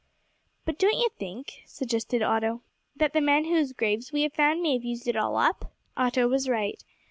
"But don't you think," suggested Otto, "that the men whose graves we have found may have used it all up?" Otto was right.